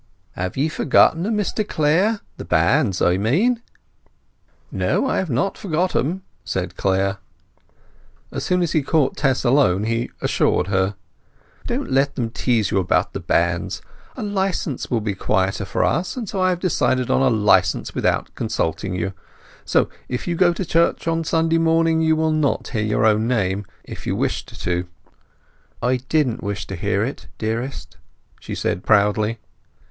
"Have ye forgot 'em, Mr Clare? The banns, I mean." "No, I have not forgot 'em," says Clare. As soon as he caught Tess alone he assured her: "Don't let them tease you about the banns. A licence will be quieter for us, and I have decided on a licence without consulting you. So if you go to church on Sunday morning you will not hear your own name, if you wished to." "I didn't wish to hear it, dearest," she said proudly.